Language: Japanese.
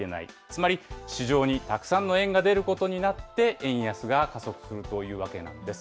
つまり、市場にたくさんの円が出ることになって、円安が加速するというわけなんです。